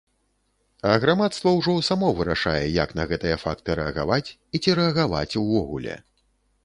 А грамадства ўжо само вырашае, як на гэтыя факты рэагаваць, і ці рэагаваць увогуле.